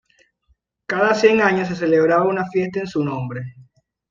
Cada cien años se celebraba una fiesta en su nombre.